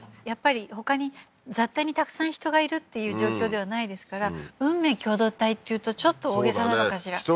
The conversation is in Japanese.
やっぱりほかに雑多にたくさん人がいるっていう状況ではないですから運命共同体っていうとちょっと大げさなのかしら？